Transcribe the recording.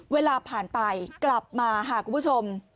เวลาผ่านไปกลับมาค่ะคุณผู้ชม